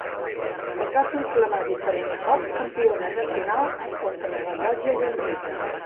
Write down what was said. Es va proclamar diferents cops campiona nacional en contrarellotge i en ruta.